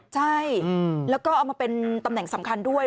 ใช่แล้วก็เอามาเป็นตำแหน่งสำคัญด้วย